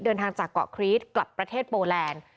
เดินทางจากเกาะครีสกลับประเทศโปแลนด์